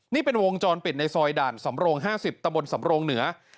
นี่เป็นวงจรปิดในซอยด่านสำโรง๕๐ตะบนสำโรงเหนือ